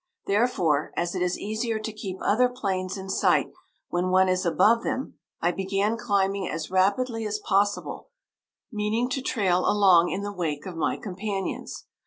Therefore, as it is easier to keep other airplanes in sight when one is above them, I began climbing as rapidly as possible, meaning to trail along in the wake of my companions.